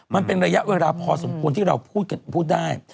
มันเป็นระยะเวลาพอสมควรที่เราพูดได้